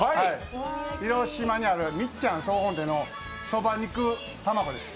広島にあるみっちゃん総本店のそば肉玉子です。